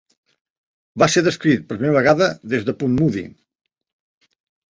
Va ser descrit per primera vegada des de Ponmudi.